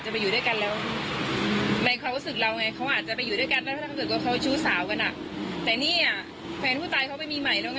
ถ้าเกิดว่าเขาจะชอบคนจริงอ่ะเขาก็คงจะไปอยู่กันแล้วไหม